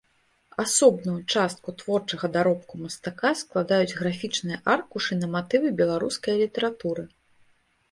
Асобную частку творчага даробку мастака складаюць графічныя аркушы на матывы беларускае літаратуры.